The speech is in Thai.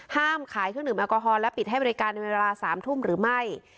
ห้ามขายเครื่องหนึ่มอักกอฮร์และปิดให้บริการด้วยเวลาสามทุ่มหรือไม่